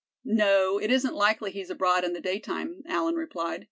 "No, it isn't likely he's abroad in the daytime," Allan replied.